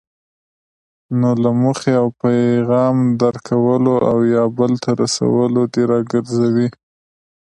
نو له موخې او پیغام درک کولو او یا بل ته رسولو دې راګرځوي.